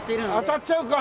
当たっちゃうか！